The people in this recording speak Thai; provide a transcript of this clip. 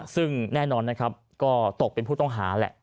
ซึ่งแน่นอนนะครับก็ตกเป็นผู้ต้องหาแหละ